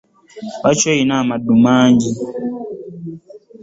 Lwaki olina amaddu manyi?